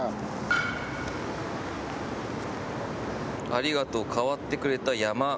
「ありがとう代わってくれた山」